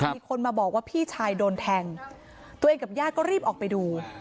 มีคนมาบอกว่าพี่ชายโดนแทงตัวเองกับญาติก็รีบออกไปดู